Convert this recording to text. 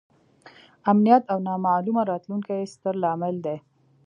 امنیت او نامعلومه راتلونکې یې ستر لامل دی.